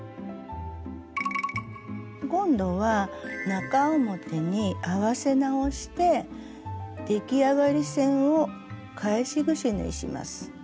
今度は中表に合わせ直して出来上がり線を返しぐし縫いします。